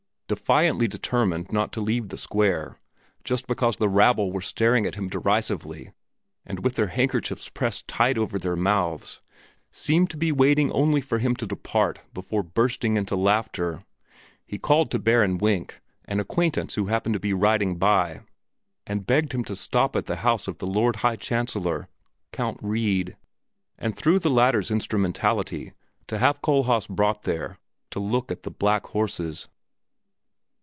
Defiantly determined not to leave the square just because the rabble were staring at him derisively and with their handkerchiefs pressed tight over their mouths seemed to be waiting only for him to depart before bursting out into laughter, he called to Baron Wenk, an acquaintance who happened to be riding by, and begged him to stop at the house of the Lord High Chancellor, Count Wrede, and through the latter's instrumentality to have Kohlhaas brought there to look at the black horses.